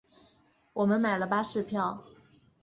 我们买了巴士票